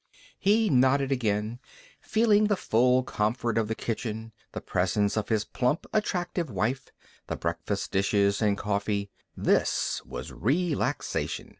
He nodded again, feeling the full comfort of the kitchen, the presence of his plump, attractive wife, the breakfast dishes and coffee. This was relaxation.